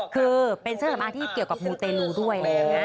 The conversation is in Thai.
คือเป็นเสื้อสำอางที่เกี่ยวกับมูเตลูด้วย